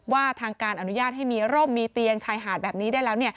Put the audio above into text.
ว่าทางการอนุญาตให้มีร่มมีเตียงชายหาดแบบนี้ได้แล้ว